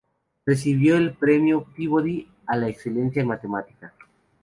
Recibió el Premio Peabody a la excelencia en matemáticas.